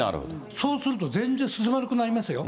そうすると、全然進まなくなりますよ。